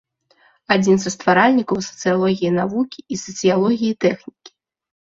Адзін са стваральнікаў сацыялогіі навукі і сацыялогіі тэхнікі.